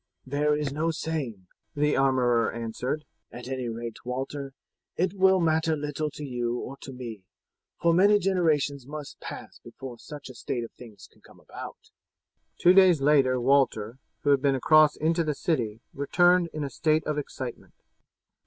"There is no saying," the armourer answered; "at any rate, Walter, it will matter little to you or to me, for many generations must pass before such a state of things can come about." Two days later Walter, who had been across into the city, returned in a state of excitement.